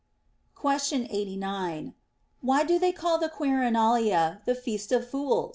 Question 89. Why do they call the Quirinalia the Feast of Fools?